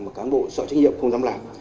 mà cán bộ sợ trách nhiệm không dám làm